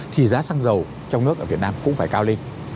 thì giá xăng dầu trong nước ở việt nam cũng phải cao lên